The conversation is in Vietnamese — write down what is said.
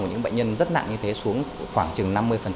của những bệnh nhân rất nặng như thế xuống khoảng chừng năm mươi